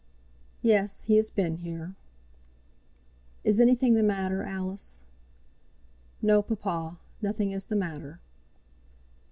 "Yes; he has been here." "Is anything the matter, Alice?" "No, papa, nothing is the matter."